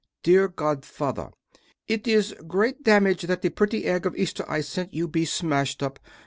Dear Godfather: It is great damage that the pretty egg of Easter I sent you be smasht up!